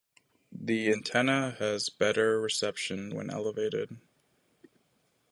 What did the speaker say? The antenna has better reception when elevated.